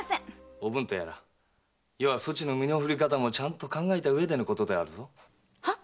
おぶんとやらそちの身の振り方も考えたうえでのことであるぞ。は？